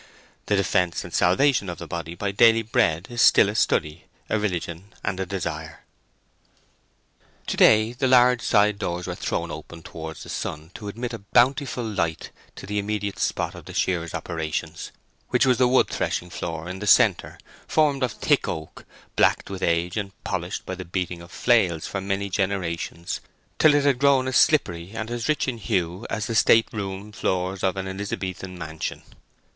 The defence and salvation of the body by daily bread is still a study, a religion, and a desire. To day the large side doors were thrown open towards the sun to admit a bountiful light to the immediate spot of the shearers' operations, which was the wood threshing floor in the centre, formed of thick oak, black with age and polished by the beating of flails for many generations, till it had grown as slippery and as rich in hue as the state room floors of an Elizabethan mansion.